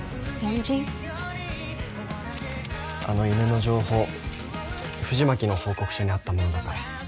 あの犬の情報藤巻の報告書にあったものだから。